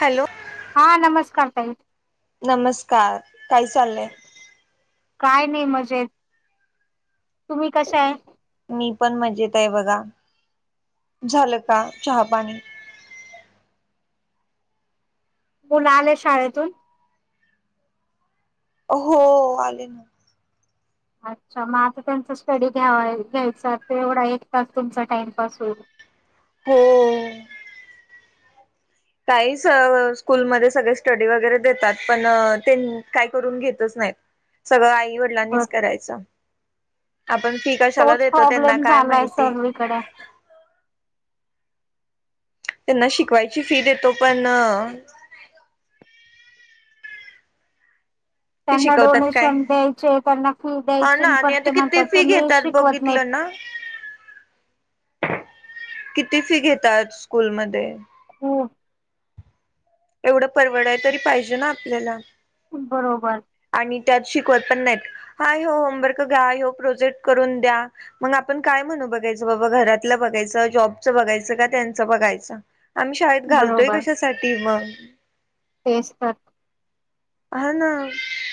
Hello हा नमस्कार ताई नमस्कार काय चाललंय काय नाही मजेतेत तुम्ही कश आहे मी पण मजेत आहे बघा झालं का चहा पाणी मुला आले शाळेतून हो आले ना अच्छा मग आता त्यांचा स्टडी घ्या घ्यायचा एवढा एक तास तुमचा टाइमपास होईल हो काहीच स्कूलमध्ये सगळे स्टडी वगैरे देतात पण ते काय करून घेतच नाहीत सगळं आई बर वडिलांनीच करायचं आपण फी कशाला तोच देतो त्यांना प्रॉब्लेम काय झालाय माहिती सर्वीकडे त्यांना शिकवायची फी देतो पण ते त्यांना शिकवतात काय डोनेशन द्यायचे त्यांना फी हा ना द्यायची आणि पर आता ते किती म्हणतात फी तुम्ही घेतात शिकवत नाही बघितलं ना किती फी घेतात स्कूल म होम एवढं परवड आहे तरी पाहिजे ना आपल्याला बरोबर त शिकत पण नाही हा हो होमवर् घ प्रोजेक्ट करून द्या मग आपण काय म्हण बघायचं बाबा घरातलं बघायचं जॉबचं बघायचं का त्यांचं बघायचं आम्ही शाळेत घालतोय कशासाठी मग तेस्पक हा ना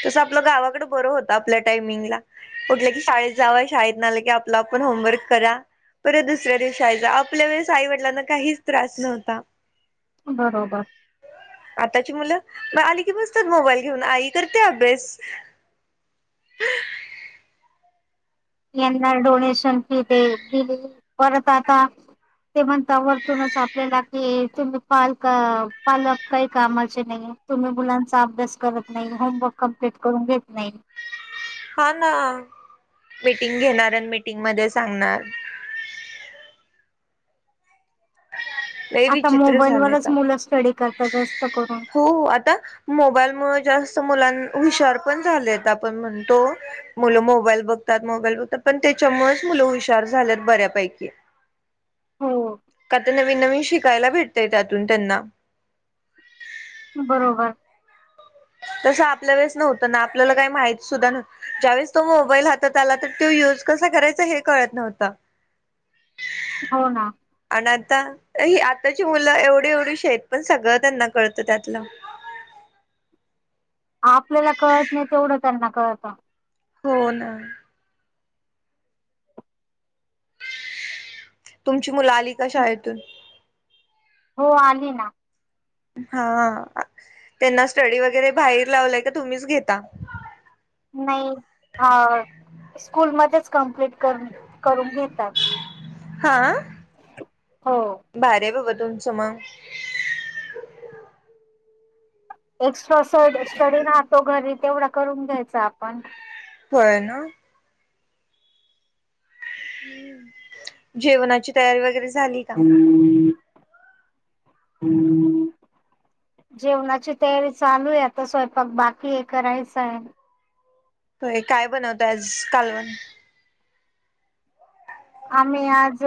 तस आपलं गावाकडे बरं होत आपल्या टायमिंगलाटलं की शाळेत जा शाह नाही की आपलं आपण होमवर्क करा परत दुसऱ्या दिवशी आयचा आपल्या वेळेस आईवडिलांना काहीच त्रास नव्हता बरोबर मु आली की बस मोबाईल घेऊन आई करते अभ्यास यांना डोनेशन फी दे दिली परत आता ते म्हणता वतूनच आपल्याला कि तुम्ही पालक पालक काही कामाचे नाही तुम्ही मुलांचा अभ्यास करत नाही होमवर्क कम्प्लीट करून घेत नाही हा ना मिटिंग घेणार आणि मीटिंग म सांगणार नाही आता विचित्र झालं मोबाईलवरच मुलं स्टडी करतात जास्त करून हो आता मोबाईल म जास्त मुलां हुशार पण झाले आपण म्हणतो मुलं मोबाईल बघतात मोबाईल बघतात. पण त्याच्यामुळेच मुलं हुशार झाल्यात बऱ्यापैकी हो का तर नवीन नवीन शिकायला भेटतय त्यातून त्यांना बरोबर. तसं आपल्या वेळेस नव्हतं ना आपल्याला काही माहती सुद्धा नव ज्यावेळेस तो मोबाईल हातात आला तर यज कसा करायचा हे कळत नव्हत. हो ना. आता ही आताची मुलं एवढी एवढी श आहेतेत पण सगळं त्यांना कळतं त्यातलं [unintelligible] आपल्याला कळत नाही तेवढं त्यांना कळत. हो ना. तुमची मुला आली का शाळेतून हो आली ना. हा त्यांना स्टडी वगैरे बाहेर लावलंय का तुम्हीच घेता. नाही अ स्कूलमध्येच कम्प्लीट करून करून घेतायत. हहां भारी आहे बाबा तुमचं मग एक्स्ट्राअसा स्टडी राहतो, घरी तेवढा करून घ्यायचा आपण. होय ना. जेवणाची तयारी वगैरे झाली का? [inaudible] जेवणाची तयारी चालू आहे आता, स्वयंपाक बाकीये करायचाय. होय काय बनवताय आज कालवण? आम्ही आज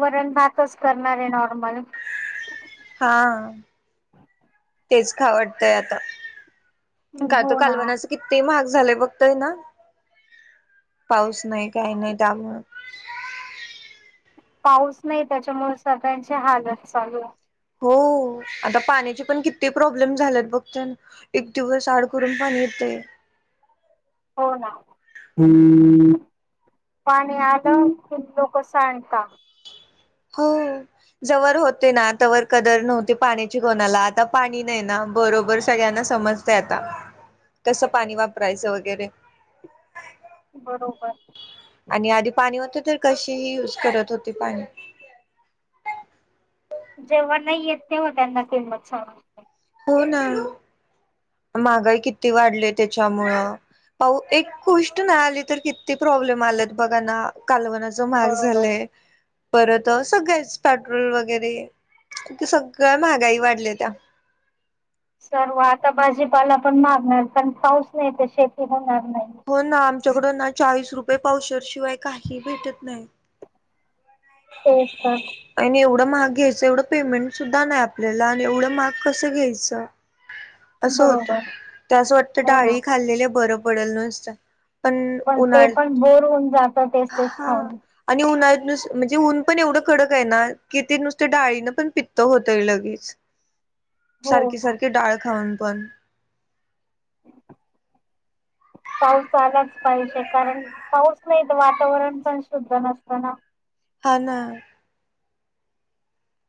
वरण भातच करणार आहे नॉर्मल. हा तेच खावटतंय आता. कातं हो ना कालवनाचा कित्ती महा्ग झालाय बघताय ना? पाऊस नाही काही नाही त्यााममुळं पाऊस नाही त्याच्यामुळे सगळ्यांची हालत चालू आहे. हो. आता पाण्याचे पण किती प्रॉब्लेम झालेत बघतोय ना एक दिवस आड करून पाणी येतंय. [unintelligible] हो ना हम्. पाणी आलं कि लोक सांडता. हो जवर होतंय ना तवर कदर नव्हती पाण्याची कोणाला, आता पाणी नाही ना? बरोबर सगळ्यांना समजतय आता कसं पाणी वापरायचं वगैरे. [unintelligible] बरोबर. आणि आधी पाणी होते तर कशीही यूज करत होते पाणी. जेव्हा नाही येत तेव्हा त्यांना किंमत समजते. हो ना, महागाई किती वाढले त्याच्यामुळं. पाहू एक गोष्ट नाही आली तर किती प्रॉब्लेम आलेत बघा ना. कालवनाच महाग बरोबर. झालंय, परत सगळेच पेट्रोल वगैरे. ते सगळ्या महागाई वाढल्या त्या सर्व आता भाजीपाला पण महागणार कारण पाऊस नाही ते शेती होणार नाही. हो ना आमच्याकडून ना चाळीस रुपये पावशरशिवाय काही भेटत नाही. तेच तं. आणि एवढं महाग घ्यायचं एवढं पेमेंट सुद्धा नाही आपल्याला आणि एवढं महाग कसं घ्यायचं? असं होतं बरोबर त्या असं वाटतं हो ना. डाळी खाल्लेलं बरं पडल नु सत. पण ते उन्हाळीत. पण बोर होऊन जात तेच तेच हा खाऊन आणि उन्हाळ्यात नुस म्हणजे ऊन पण एवढं कडक आहे ना कि ते नुसते डाळीनं पण पित्त होतंय लगेच. हो सारखे ना. सारखे डाळ खाऊन पण पाऊस आलाच पाहिजे कारण पाऊस नाही तर वातावरण पण शुद्ध नसतं ना. हा ना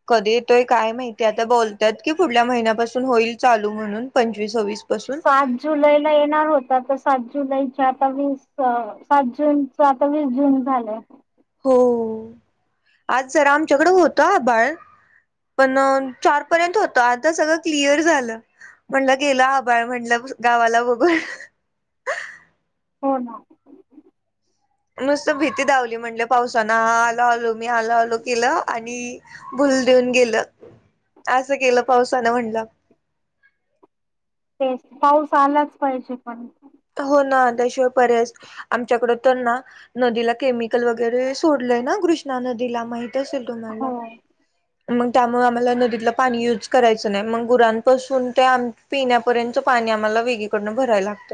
कधी येतोय काय माहितीय आता बोलतात की पुुढल्या महिन्यापासून होईल चालू म्हणून पंचवीसवीस सात जुलैला येणार होता तर सात जुलै चार पाच विसचं सात जून चं आता वीस जून झालंय. हो आज जरा आमच्याकडे होत आभाळ. पण चार पर्यंत होत आता सगळं क्लिअर झालं म्हणलं गेलं आभाळ म्हणलं गावाला वभर हो ना. नुसत भीती दावली म्हणलं पावसान, आलो आलो मी आलो आलो केलं आणि भुल देऊन गेलं असं केलं पावसानं म्हटलं. तेच पाऊस आलाच पाहिजे पण. हो ना त्याशिवाय पर्यास आमच्याकड तर ना नदीला केमिकल वगैरे सोड ना कृष्णा नं दिला माहित असेल तुम्हाला हो मग त्यामुळे आम्हाला आणि आम्हाला वेगळीकडून भराय लागत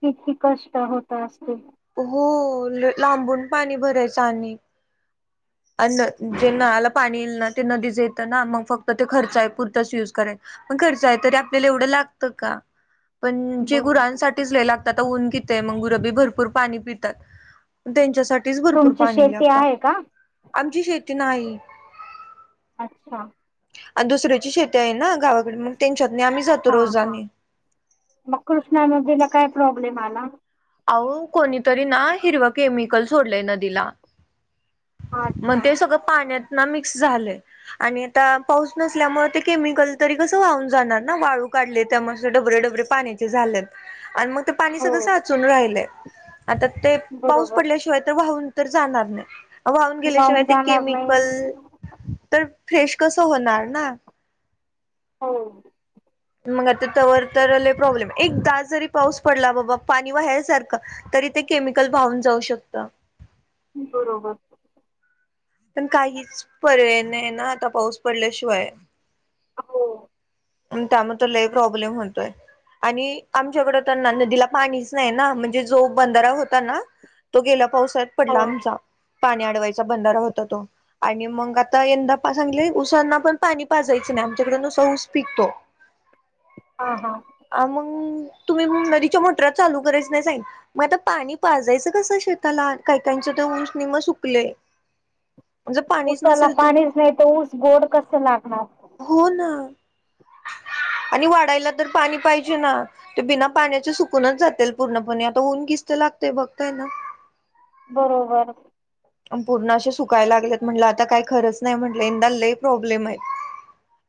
किती कष्ट होत असते हो लांबून पाणी भरायचं आणि असं जे नळाला पाणी येईल ना ते नदीच येतं ना मग फक्त ते खर्च आहे पुरताच युज करायल खर्च आहे त आपल्याला एवढं लागत का पण जे बरोबर गुरांसाठीच लय लागतात ऊन घिते मग गुरबी भरपूर पाणी पितात तुमची त्यांच्य शेती आहे का आमची शेती नाही अच्छा आ दुसऱ्याची शेत आहे ना हा हा मग कृष्णा नदीला काय प्रॉब्लेम आ अहो कोणीतरी ना हिरव केमिकल सोडलंय नदीला मग अच्छा ते सगळं पाण्यात ना मिक्स झालंय आणि आता पाऊस नसल्यामुळे ते केमिकल तरी कस वा जाणार न वाळू काढले ढाबर डबरे पाण्याचे जात्यात आणि मग ते पाणी हो सगळं साचून राहिलय आता ते पाऊस बरोबर पडल्या तर जाणार व वाहून गेल्याशिवाय ते जाणार नाही केमिकल तर फ्रेश कस होणार ना हा मग आता त्यावर तर प्रॉब्ले तरी ते केमिकलून वाहून जाऊ शकत बरोबर. पण काहीच पर्याय नाही ना आता पाऊस पडल्याशिवाय हो त्यामुळे तो लय प्रॉब्लेम होतोय आणि तो गेला पावसाळ्यात पडला हो आमचा पाणी अडवायचा बंधारा होता आणि मग आता यंदा सांगले ऊसांना पण पाणी पाजायचं नाही आमच्याकडन उसा ऊस पिकतो हा हा अ तुम्ही नदीच्या मोटरा चालू करायच नाही स मग आता पाणी पाायचं कसं शेताला काय का उंच निम्म सुकले जर पाणीच ऊसाला नसेल तर पाणीच नाही तर ऊस गोड कसं लागणार हो ना आणि वाढायला तर पाणी पाहिजे ना ते बिना पाण्याचे सुकूनच जातील पूर्णपणे आता होऊने किस्त लागतेय बघताय ना बरोबर पूर्ण असे सुकायला लागलेत म्हटलं आता काही खरच नाही म्हटलं एकंदा ल प्रॉब्लेम आहे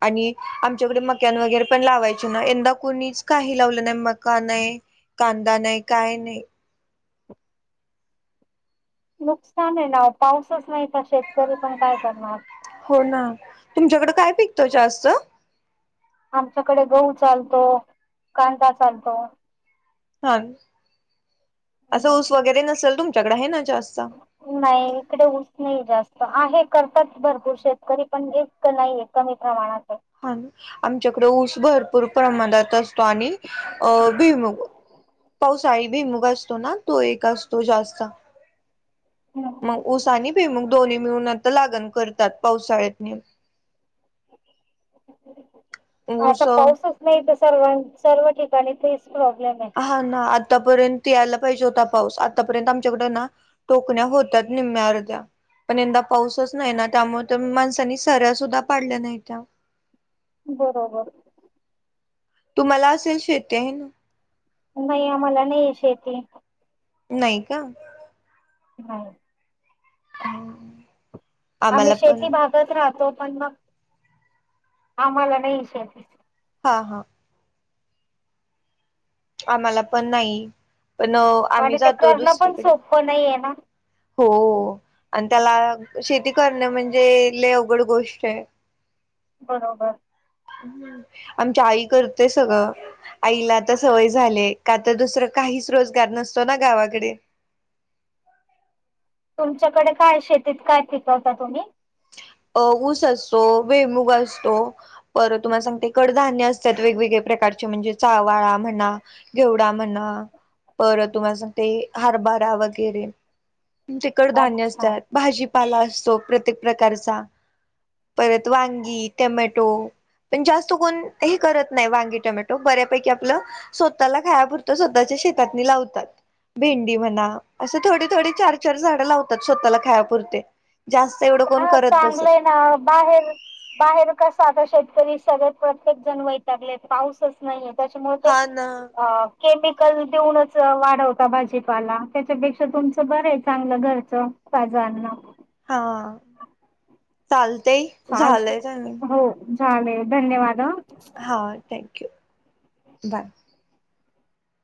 आणि आमच्याकडे मकॅन वगैरे पण लावायचे ना यंदा कोणीच काही लावलं नाही मका नाही कांदा नाही काय नाही नुकसान आहे ना पाऊसच नाही का शेतकरी पण काय करणार तुमच्याकडं काय पिकतो जास्चं आमच्याकडे गहू चालतो कांदा चालतो हा असं ऊस वगैरे नसेल तुमच्याकडे आहे ना जास्त नाही इकडे ऊस नाही जास्त आहे करतात भरपूर शेतकरी पण इकं नाहीये कमी प्रमाणात हा आमच्याकडे ऊस भरपूर प्रमाणा पावसाळी भिमुग असतो ना तो एक असतो जास्त मग आहे ऊसा आणि भुईमूग दोन्ही मिळून आता लागण करतात पावसाळ्यातनि. आता ऊस पाऊसच नाही तस. सर्व सर्व ठिकाणी तेच प्रॉब्लेम आहे हां ना आ आतापर्यंत यायला पाहिजे होता पाऊस आतापर्यंत आमच्याकड ना टोकण्या होतात निम्म्या अर्ध्या. पण यंदा पाऊसच नाही ना त्यामुळे तर माणसांनी सऱ्या सुद्धा पाडल्या नाहीत्या. बरोबर. तुम्हाला असेल शेती आहे ना? नाही आम्हाला नाहीये शेती. नाही का? हां. [inaudible] आम्ही शेती पण भागात राहतो पण मग आम्हाला नाही शेती. हां हां. आम्हाला पण नाही पण आम्ही आणि ते जातो करणं पण दुसरीकडे. सोपं नाहीये ना हो आणि त्याला शेती करण म्हणजे लई अवघड गोष्ट आहे. बरोबर. आमच्या आई करतेय सगळं आईला आता स सवय झालिये का तर दुसर काहीच रोजगार नसतो ना गावाकडे. [inaudible] तुमच्याकडे काय शेतीत काय पिकवता तुम्ही? ऊस असतो भुईमूग असतो, पर तुम्हाला सांगते कडधान्य असतात वेगवेगळे. प्रकारची म्हणजे चावाळा म्हणा घेवडा म्हणा. परत तुम्हाला सांगते ते हरभरा वगैरे. आमच्याकड धान्य अच्छा असतात भाजीपाला असतो प्रत्येक प्रकारचा. परत वांगी, टमॅटो. पण जास्त कोण हे करत नाही वांगी टोमॅटो बऱ्यापैकी आपलं स्वतःला खायापुरतं स्वतः चे शेतात नि लावतात. भेंडी म्हणा असे थोडे थोडे चार चार झाडं लावतात स्वतःला खापुरते जास हां चांगलं आहे ना बाहेर बाहेर कस आता शे तरी सगळे प्रत्येक जण वैतगले पाऊसच नाहीये त्याच्यामुळे ते हा ना अ केमिकल देऊनच वाढवता भाजीपाला त्याच्यापेक्षा तुमचं बरं आहे चांगलं घरचं. बाजारना. हां चालतय चाल झालंय. हो चालेल धन्यवाद हां. हां थँक्यू बाय.